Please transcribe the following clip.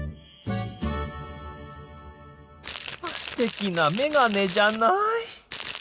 すてきなメガネじゃない。